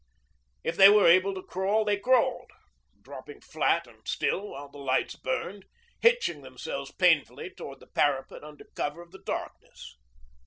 If they were able to crawl they crawled, dropping flat and still while the lights burned, hitching themselves painfully towards the parapet under cover of the darkness.